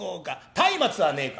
たいまつはねえか？